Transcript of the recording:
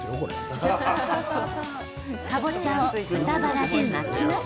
かぼちゃを豚バラで巻きます。